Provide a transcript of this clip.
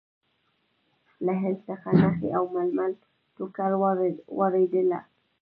له هند څخه نخي او ململ ټوکر واردېدل.